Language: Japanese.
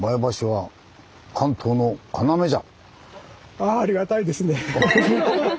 ああありがたいですね。